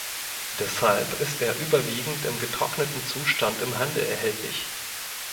Deshalb ist er überwiegend im getrockneten Zustand im Handel erhältlich.